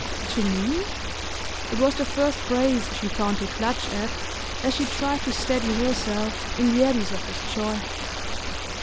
"To me?" It was the first phrase she found to clutch at as she tried to steady herself in the eddies of his joy.